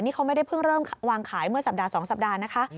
นี่เขาไม่ได้เพิ่งเริ่มวางขายเมื่อสัปดาห์๒สัปดาห์นะคะ